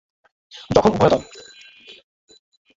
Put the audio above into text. যখন উভয় দল।